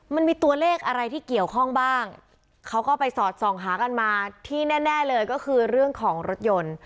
มันมีตัวเลขอะไรที่เกี่ยวข้องบ้างเขาก็ไปสอดส่องหากันมาที่แน่แน่เลยก็คือเรื่องของรถยนต์